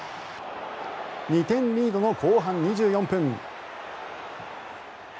２点リードの後半２４分。